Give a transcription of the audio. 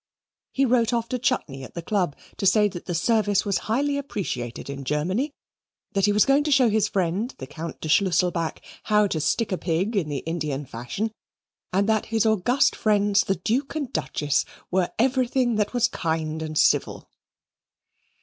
He wrote off to Chutney at the Club to say that the Service was highly appreciated in Germany, that he was going to show his friend, the Count de Schlusselback, how to stick a pig in the Indian fashion, and that his august friends, the Duke and Duchess, were everything that was kind and civil.